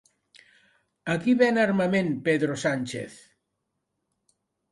A qui ven armament Pedro Sánchez?